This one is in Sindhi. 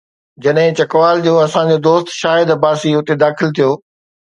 جڏهن چکوال جو اسان جو دوست شاهد عباسي اتي داخل ٿيو.